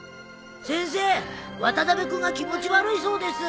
先生渡辺君が気持ち悪いそうです。